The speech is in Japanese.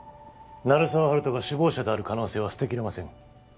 鳴沢温人が首謀者である可能性は捨てきれません